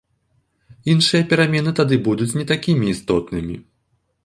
Іншыя перамены тады будуць не такімі істотнымі.